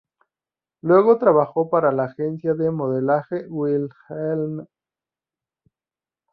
Luego trabajó para la Agencia de Modelaje Wilhelmina.